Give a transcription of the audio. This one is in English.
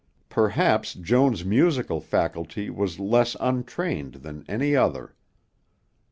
Perhaps Joan's musical faculty was less untrained than any other.